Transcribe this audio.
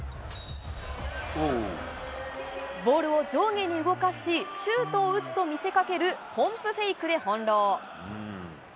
ボールを上下に動かし、シュートを打つと見せかけるポンプフェイクで翻弄。